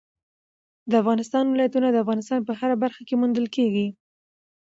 د افغانستان ولايتونه د افغانستان په هره برخه کې موندل کېږي.